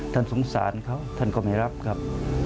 สงสารเขาท่านก็ไม่รับครับ